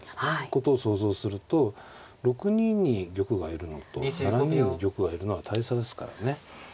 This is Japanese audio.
ことを想像すると６二に玉がいるのと７二に玉がいるのは大差ですからね。